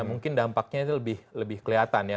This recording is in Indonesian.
mungkin dampaknya itu lebih kelihatan ya